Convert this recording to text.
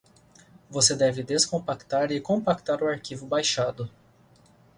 Você deve descompactar e compactar o arquivo baixado